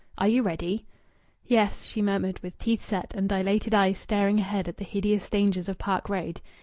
Are you ready?" "Yes," she murmured, with teeth set and dilated eyes staring ahead at the hideous dangers of Park Road.